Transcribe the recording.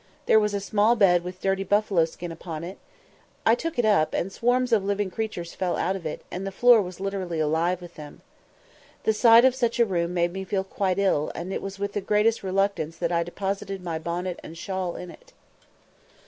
There was a small bed with a dirty buffalo skin upon it; I took it up, and swarms of living creatures fell out of it, and the floor was literally alive with them. The sight of such a room made me feel quite ill, and it was with the greatest reluctance that I deposited my bonnet and shawl in it.